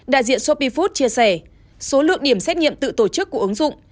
đại diện sopy food chia sẻ số lượng điểm xét nghiệm tự tổ chức của ứng dụng